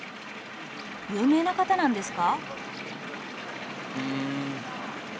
有名な方なんですか？